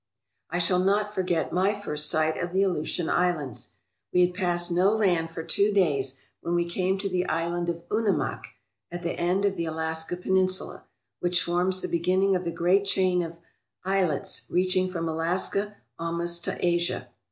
I shall not forget my first sight of the Aleutian Islands. We had passed no land for two days when we came to the Island of Unimak, at the end of the Alaska Peninsula, which forms the beginning of the great chain, of islets reaching from Alaska almost to Asia.